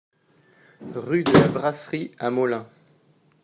Rue de la Brasserie à Molain